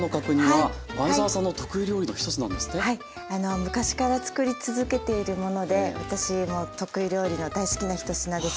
あの昔から作り続けているもので私の得意料理の大好きな一品です。